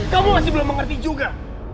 kamu masih belum mengerti juga